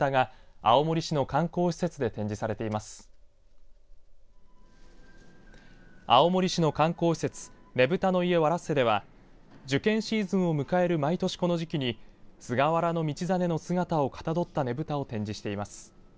青森市の観光施設ねぶたの家ワ・ラッセは受験シーズン迎える毎年この時期に菅原道真の姿をかたどったねぶたを展示しています。